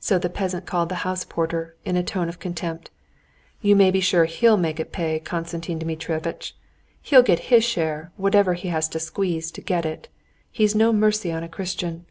(so the peasant called the house porter, in a tone of contempt), "you may be sure he'll make it pay, Konstantin Dmitrievitch! He'll get his share, however he has to squeeze to get it! He's no mercy on a Christian.